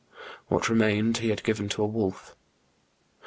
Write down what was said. What remained he had given to a wolf.